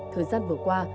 thời gian vừa qua